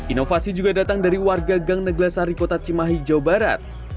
inovasi juga datang dari warga gang neglasari kota cimahi jawa barat